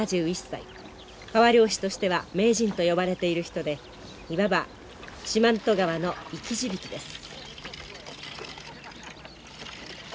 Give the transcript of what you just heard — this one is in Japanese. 川漁師としては名人と呼ばれている人でいわば四万十川の生き字引です。